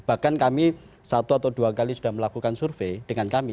bahkan kami satu atau dua kali sudah melakukan survei dengan kami